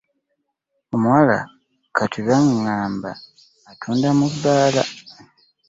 Omuwala kati baŋŋambye atunda mu bbaala.